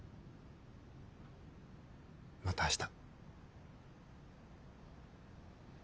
また明日。